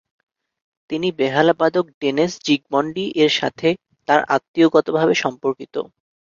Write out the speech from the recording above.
তিনি বেহালাবাদক ডেনেস জিগমন্ডি এর সাথে তার আত্মীয়গতভাবে সম্পর্কিত।